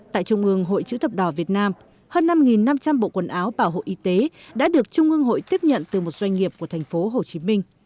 tại trung ương hội chữ thập đỏ việt nam hơn năm năm trăm linh bộ quần áo bảo hộ y tế đã được trung ương hội tiếp nhận từ một doanh nghiệp của thành phố hồ chí minh